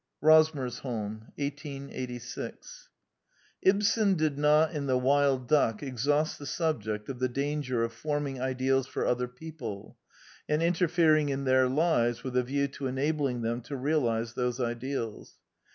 Rosmersholm 1886 Ibsen did not in The Wild Duck exhaust the subject of the danger of forming ideals for other people, and interfering in their lives with a view to enabling them to realize those ideals.